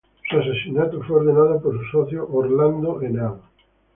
Su asesinato fue ordenado por su socio Orlando Henao.